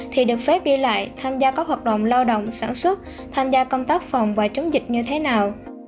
thì được phép đi lại tham gia các hợp đồng lao động sản xuất tham gia công tác phòng và chống dịch như thế nào